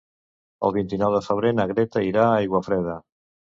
El vint-i-nou de febrer na Greta irà a Aiguafreda.